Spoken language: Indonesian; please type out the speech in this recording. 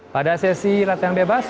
pada sesi latihan bebas